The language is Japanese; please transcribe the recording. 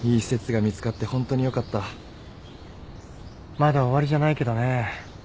まだ終わりじゃないけどね。